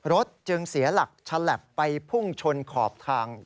รถจึงเสียหลักฉลับไปพุ่งชนขอบทาง